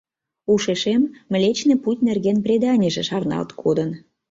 Ушешем Млечный путь нерген преданийже шарналт кодын.